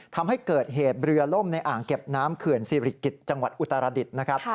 ทำให้เกิดเหตุเรือล่มในอ่างเก็บน้ำเขื่อนศิริกิจจังหวัดอุตรดิษฐ์นะครับ